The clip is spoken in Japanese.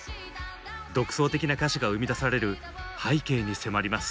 独創的な歌詞が生み出される背景に迫ります。